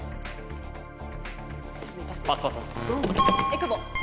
えくぼ。